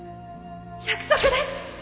約束です